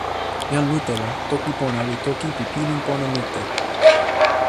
jan mute la, toki pona li toki pi pilin pona mute.